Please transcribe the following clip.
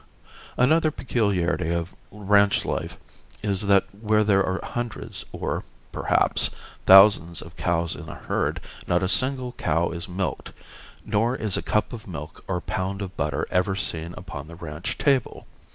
Another peculiarity of ranch life is that where there are hundreds or, perhaps, thousands of cows in a herd, not a single cow is milked, nor is a cup of milk or pound of butter ever seen upon the ranch table.